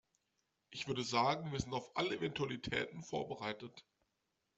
Ich würde sagen, wir sind auf alle Eventualitäten vorbereitet.